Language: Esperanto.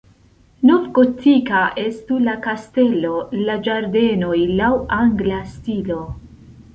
Novgotika estu la kastelo, la ĝardenoj laŭ angla stilo.